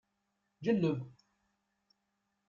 Ǧelleb!